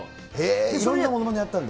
いろんなものまねやったんだ。